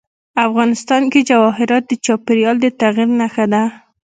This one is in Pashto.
افغانستان کې جواهرات د چاپېریال د تغیر نښه ده.